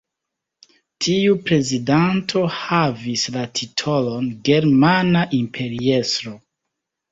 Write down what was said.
Tiu prezidanto havis la titolon Germana Imperiestro.